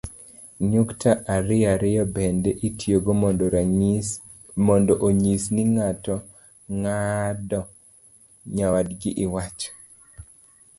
nyukta ariyo ariyo bende itiyogo mondo onyis ni ng'ato ong'ado nyawadgi iwach